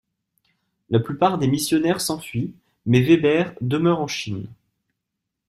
La plupart des missionnaires s'enfuient, mais Weber demeure en Chine.